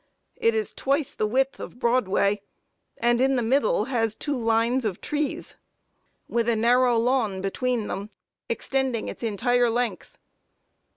It is twice the width of Broadway, and in the middle has two lines of trees, with a narrow lawn between them, extending its entire length.